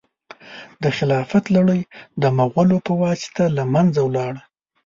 د خلافت لړۍ د مغولو په واسطه له منځه ولاړه.